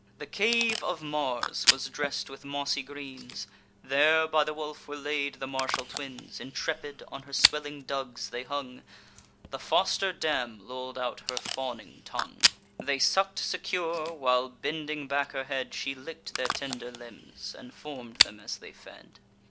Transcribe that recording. The cave of Mars was dress'd with mossy greens: There, by the wolf, were laid the martial twins. Intrepid on her swelling dugs they hung; The foster dam loll'd out her fawning tongue: They suck'd secure, while, bending back her head, She lick'd their tender limbs, and form'd them as they fed.